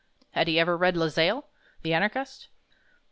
Had he ever read La Salle, the anarchist?